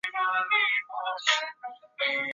山东省主席王耀武增兵驰援。